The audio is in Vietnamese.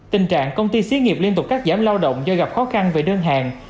tình trạng công ty xí nghiệp liên tục cắt giảm lao động do gặp khó khăn về đơn hàng